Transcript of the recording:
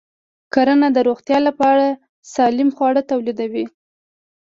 کرنه د روغتیا لپاره سالم خواړه تولیدوي.